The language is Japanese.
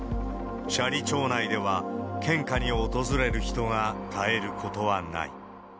斜里町内では、献花に訪れる人が絶えることはない。